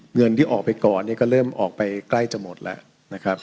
เงินที่ออกไปก่อนเนี่ยก็เริ่มออกไปใกล้จะหมดแล้วนะครับ